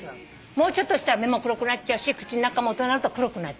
もうちょっとしたら目も黒くなっちゃうし口の中も大人になると黒くなる。